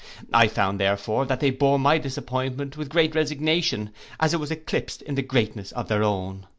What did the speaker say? I found, therefore, that they bore my disappointment with great resignation, as it was eclipsed in the greatness of their own.